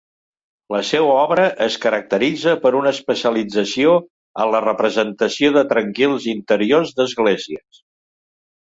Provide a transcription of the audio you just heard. La seua obra es caracteritza per una especialització en la representació de tranquils interiors d'esglésies.